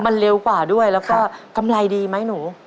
มันเร็วกว่าด้วยแล้วก็กำไรดีไหมหนู